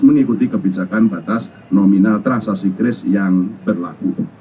mengikuti kebijakan batas nominal transaksi kris yang berlaku